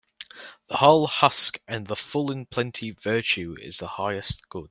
The hull husk and the full in plenty Virtue is the highest good.